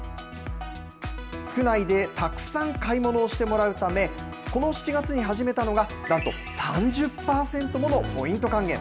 区内でたくさん買い物をしてもらうため、この７月に始めたのが、なんと３０％ものポイント還元。